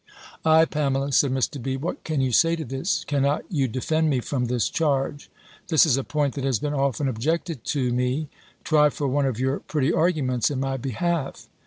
"Ay, Pamela," said Mr. B., "what can you say to this? Cannot you defend me from this charge? This is a point that has been often objected to me; try for one of your pretty arguments in my behalf."